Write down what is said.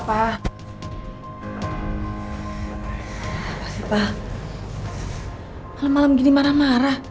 apa sih pak kalau malam gini marah marah